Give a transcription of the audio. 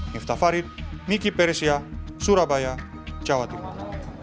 niftafarit miki perisya surabaya jawa timur